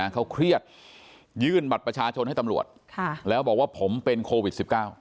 เขาเครียดยื่นบัตรประชาชนให้ตำรวจแล้วบอกว่าผมเป็นโควิด๑๙